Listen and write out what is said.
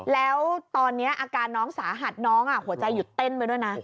แล้วตอนนี้อาการน้องสาหัสน้องหัวใจหยุดเต้นไปด้วยนะ